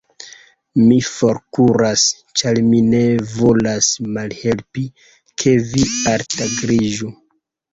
Mi forkuras; ĉar mi ne volas malhelpi, ke vi altabliĝu.